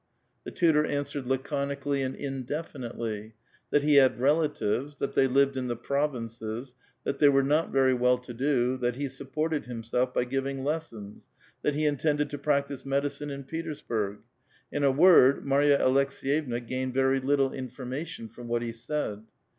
The tutor answered laconically and indefinitely, that he had relatives, that the}' lived in the provinces, that the}' were not very well to do, that he supported himself by giving lessons, that he intended to practise medicine in Petersburg ; in a word, Marya Aleks6yevna gained very little information from what he said.